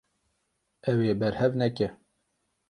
Ew ê berhev neke.